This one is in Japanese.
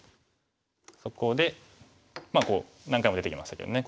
そこでこう何回も出てきましたけどね